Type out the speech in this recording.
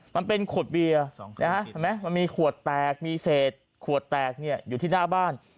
มันเป็นขวดเบียร์เห็นไหมมันมีขวดแตกมีเศษขวดแตกอยู่ที่หน้าบ้าน